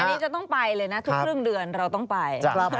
อันนี้จะต้องไปเลยนะทุกครึ่งเดือนเราต้องไป